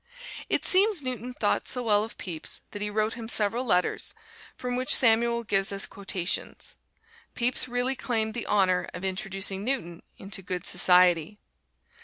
It seems Newton thought so well of Pepys that he wrote him several letters, from which Samuel gives us quotations. Pepys really claimed the honor of introducing Newton into good society.